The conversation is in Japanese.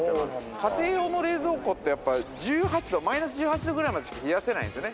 家庭用の冷蔵庫ってやっぱマイナス１８度ぐらいまでしか冷やせないんですよね